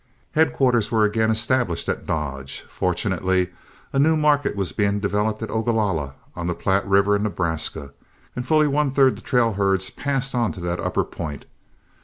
Headquarters were again established at Dodge. Fortunately a new market was being developed at Ogalalla on the Platte River in Nebraska, and fully one third the trail herds passed on to the upper point.